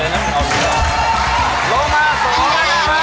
โรคมา๒มา